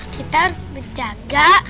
kita harus berjaga